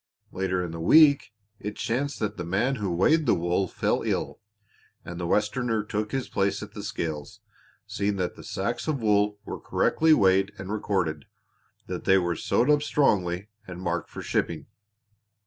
Later in the week it chanced that the man who weighed the wool fell ill and the Westerner took his place at the scales, seeing that the sacks of wool were correctly weighed and recorded, that they were sewed up strongly, and marked for shipping.